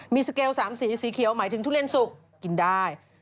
มีสเกล๓สีสีเขียวหมายถึงทุเรียนสุกกินได้